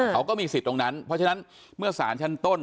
เขาก็มีสิทธิ์ตรงนั้นเพราะฉะนั้นเมื่อสารชั้นต้น